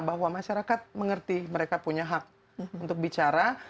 bahwa masyarakat mengerti mereka punya hak untuk bicara